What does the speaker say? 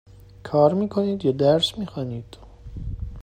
کار می کنید یا درس می خوانید؟